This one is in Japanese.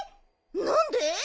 なんで？